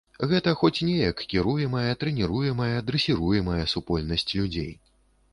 Гэта хоць неяк кіруемая, трэніруемая, дрэсіруемая супольнасць людзей.